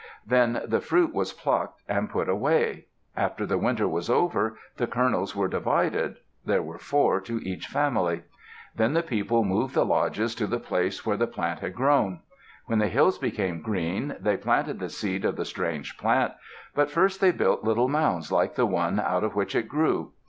Then the fruit was plucked, and put away. After the winter was over, the kernels were divided. There were four to each family. Then the people moved the lodges to the place where the plant had grown. When the hills became green, they planted the seed of the strange plant. But first they built little mounds like the one out of which it grew.